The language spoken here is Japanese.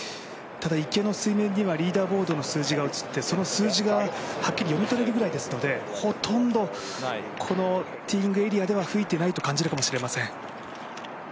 ただ池の水面にはリーダーズボードの数字が写って、その数字がはっきり読み取れるぐらいですのでほとんどティーイングエリアでは吹いていないと感じるかもしれません。